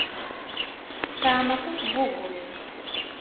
Tesɛam aṭas n wuguren.